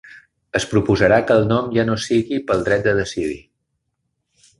Es proposarà que el nom ja no sigui ‘pel dret de decidir’.